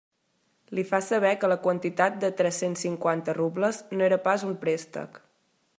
Li fa saber que la quantitat de tres-cents cinquanta rubles no era pas un préstec.